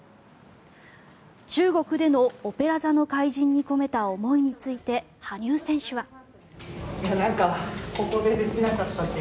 中国での「オペラ座の怪人」に込めた思いについて羽生選手は。